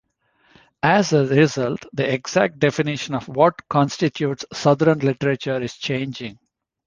As a result, the exact definition of what constitutes southern literature is changing.